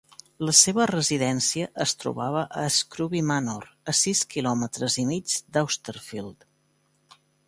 La seva residència es trobava a Scrooby Manor, a sis quilòmetres i mig d"Austerfield.